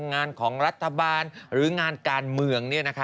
งานของรัฐบาลหรืองานการเมือง